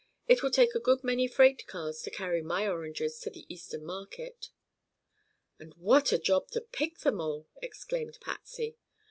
It will take a good many freight cars to carry my oranges to the eastern markets." "And what a job to pick them all!" exclaimed Patsy.